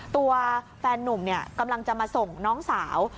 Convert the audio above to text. ตัวแฟนนุ่มกำลังจะมาส่งน้องสาว